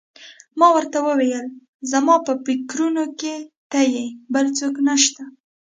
ما ورته وویل: زما په فکرونو کې ته یې، بل څوک نه شته.